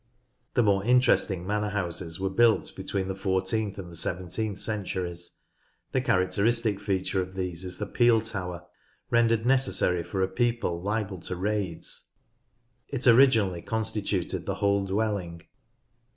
The more interesting manor houses were built be tween the fourteenth and the seventeenth centuries. The characteristic feature of these is the peel tower, rendered necessary for a people liable to raids : it originally constituted the whole dwelling.